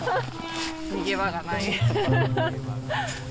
逃げ場がない。